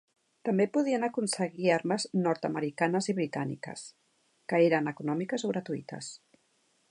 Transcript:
També podien aconseguir armes nord-americanes i britàniques, que eren econòmiques o gratuïtes.